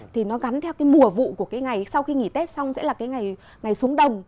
thì nó gắn theo cái mùa vụ của cái ngày sau khi nghỉ tết xong sẽ là cái ngày ngày xuống đồng